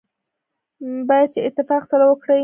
باید چې اتفاق سره وکړي.